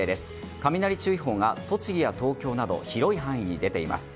雷注意報が栃木や東京など広い範囲に出ています。